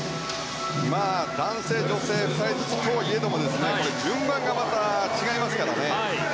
男性女性２人ずつとはいえど順番がまた違いますからね。